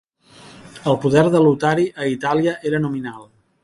El poder de Lotari a Itàlia era nominal.